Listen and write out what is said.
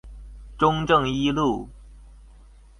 中正一路